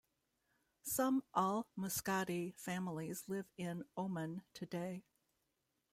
Some Al-Muscati families live in Oman today.